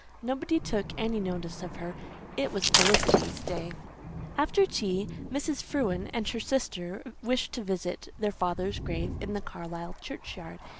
Nobody took any notice of her. It was Felicity's day. After tea Mrs. Frewen and her sister wished to visit their father's grave in the Carlisle churchyard.